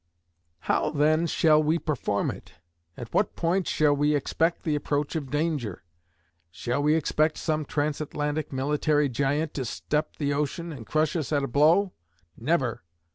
How, then, shall we perform it? At what point shall we expect the approach of danger? Shall we expect some transatlantic military giant to step the ocean and crush us at a blow? Never!